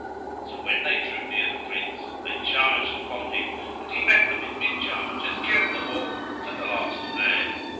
So when they drew near the Prince, they charged down upon him and he met them in mid charge and killed them all, to the last man.